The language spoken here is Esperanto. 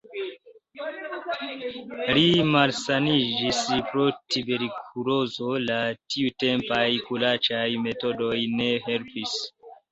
Li malsaniĝis pro tuberkulozo, la tiutempaj kuracaj metodoj ne helpis.